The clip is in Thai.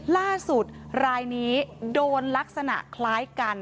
ล่าสุดรายนี้โดนลักษณะคล้ายกัน